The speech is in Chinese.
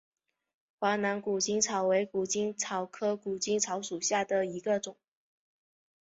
华南谷精草为谷精草科谷精草属下的一个种。